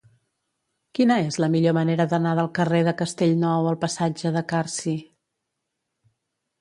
Quina és la millor manera d'anar del carrer de Castellnou al passatge de Carsi?